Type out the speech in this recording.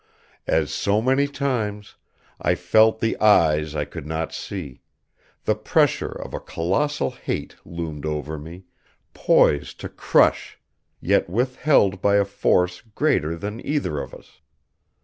As so many times, I felt the Eyes I could not see; the pressure of a colossal hate loomed over me, poised to crush, yet withheld by a force greater than either of us.